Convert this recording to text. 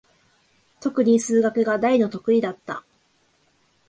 とくに数学が大の得意だった。